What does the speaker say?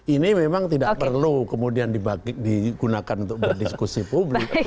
ini memang tidak perlu kemudian digunakan untuk berdiskusi publik